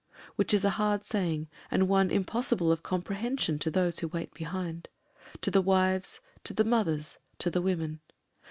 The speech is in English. Which is a hard saying, and one impossible of com prehension to those who wait behind — to the wives, to the mothers, to the women.